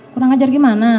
kurang ajar gimana